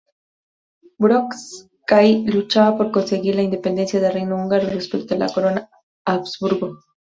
Bocskai luchaba por conseguir la independencia del reino húngaro respecto a la corona Habsburgo.